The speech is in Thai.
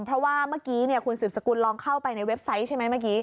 เพราะว่าเมื่อกี้คุณสืบสกุลลองเข้าไปในเว็บไซต์ใช่ไหมเมื่อกี้